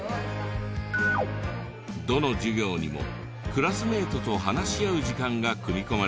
どの授業にもクラスメートと話し合う時間が組み込まれており。